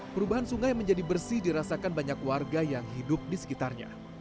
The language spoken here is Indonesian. perubahan sungai menjadi bersih dirasakan banyak warga yang hidup di sekitarnya